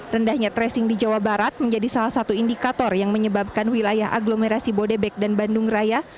rendahnya tracing di jawa barat menjadi salah satu indikator yang menyebabkan wilayah agglomerasi bodebek dan bandung raya